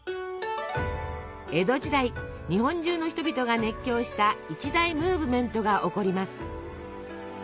江戸時代日本中の人々が熱狂した一大ムーブメントが起こります。